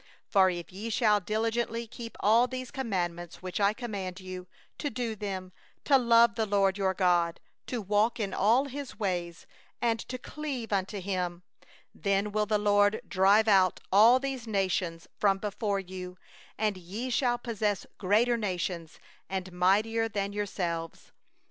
22For if ye shall diligently keep all this commandment which I command you, to do it, to love the LORD your God, to walk in all His ways, and to cleave unto Him, 23then will the LORD drive out all these nations from before you, and ye shall dispossess nations greater and mightier than yourselves.